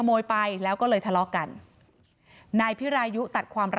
นายสาราวุธคนก่อเหตุอยู่ที่บ้านกับนางสาวสุกัญญาก็คือภรรยาเขาอะนะคะ